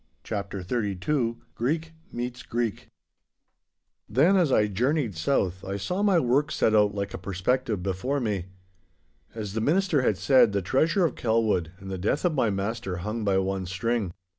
*CHAPTER XXXII* *GREEK MEETS GREEK.* Then as I journeyed south I saw my work set out like a perspective before me. As the minister had said, the treasure of Kelwood and the death of my master hung by one string.